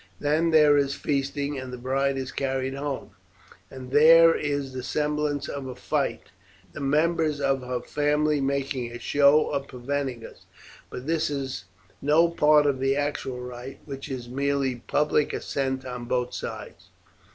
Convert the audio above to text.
Then there is feasting, and the bride is carried home, and there is the semblance of a fight, the members of her family making a show of preventing us; but this is no part of the actual rite, which is merely public assent on both sides.